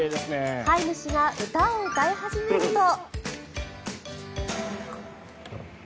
飼い主が歌を歌い始めると。